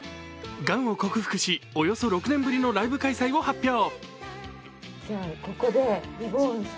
がんを克服しおよそ６年ぶりのライブ開催を発表